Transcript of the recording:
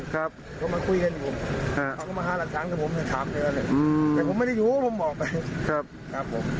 เขามาคุยกันอยู่เขาก็มาหารักษัตริย์ผมจะถามเยอะแล้วเลยแต่ผมไม่ได้อยู่ผมออกไป